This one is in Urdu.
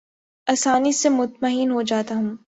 آسانی سے مطمئن ہو جاتا ہوں